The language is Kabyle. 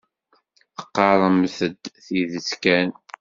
Teqqaremt-d tidet kan.